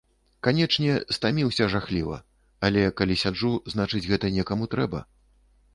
Канечне, стаміўся жахліва, але калі сяджу, значыць, гэта некаму трэба.